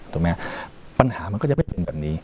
ถูกไหมปัญหามันก็จะไม่เป็นแบบนี้